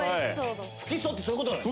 不起訴ってそういうことなの？